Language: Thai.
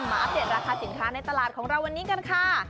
อัปเดตราคาสินค้าในตลาดของเราวันนี้กันค่ะ